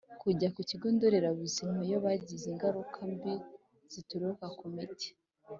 Kujya ku kigo nderabuzima iyo bagize ingaruka mbi zituruka ku miti